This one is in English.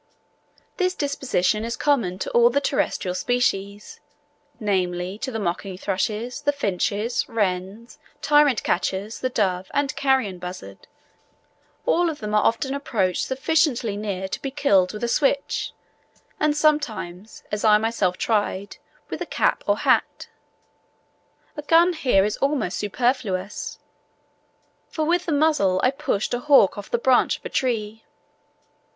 This disposition is common to all the terrestrial species; namely, to the mocking thrushes, the finches, wrens, tyrant flycatchers, the dove, and carrion buzzard. All of them are often approached sufficiently near to be killed with a switch, and sometimes, as I myself tried, with a cap or hat. A gun is here almost superfluous; for with the muzzle I pushed a hawk off the branch of a tree.